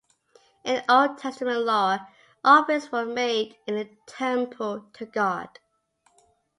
In Old Testament law, offerings were made in the temple to God.